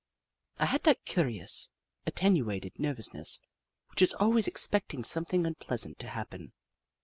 I had that curious, attenuated nervousness which is always expecting something unpleasant to happen.